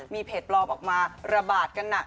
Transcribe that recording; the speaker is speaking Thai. มีเพจปลอมออกมาระบาดกันหนัก